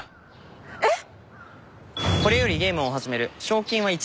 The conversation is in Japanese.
えっ？